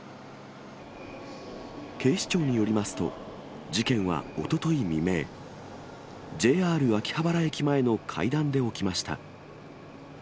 警視庁によりますと、事件はおととい未明、ＪＲ秋葉原駅前の階段で起きました。